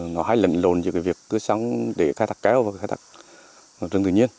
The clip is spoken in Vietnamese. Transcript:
nó hay lệnh lồn như việc cứ sống để khai thác kéo vào khai thác rừng tự nhiên